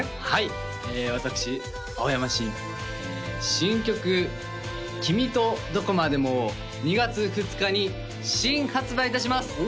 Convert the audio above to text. はい私青山新新曲「君とどこまでも」を２月２日に新発売いたします